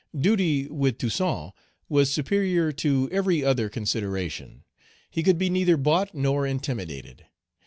Duty with Toussaint was superior to every other consideration. He could be neither bought nor intimidated.